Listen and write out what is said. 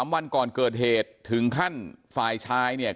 วันก่อนเกิดเหตุถึงขั้นฝ่ายชายเนี่ย